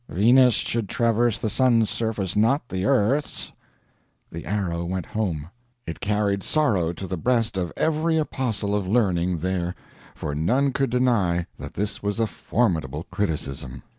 Venus should traverse the sun's surface, not the earth's." The arrow went home. It carried sorrow to the breast of every apostle of learning there, for none could deny that this was a formidable criticism.